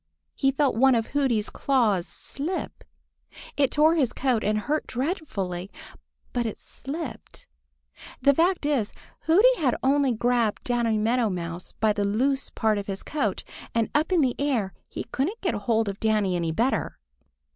He felt one of Hooty's claws slip. It tore his coat and hurt dreadfully, but it slipped! The fact is, Hooty had only grabbed Danny Meadow Mouse by the loose part of his coat, and up in the air he couldn't get hold of Danny any better.